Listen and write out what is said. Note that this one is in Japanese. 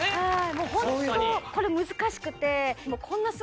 もうホントこれ難しくてあら！